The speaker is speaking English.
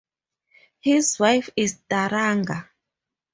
His wife is Taranga.